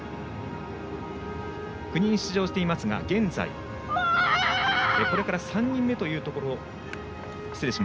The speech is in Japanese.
９人出場していますがこれから２人目というところ。